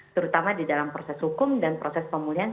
terutama di dalam proses hukum dan proses pemulihan